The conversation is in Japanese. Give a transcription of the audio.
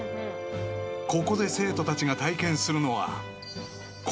［ここで生徒たちが体験するのは］